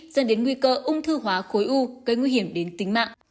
dẫn đến nguy cơ ung thư hóa khối u gây nguy hiểm đến tính mạng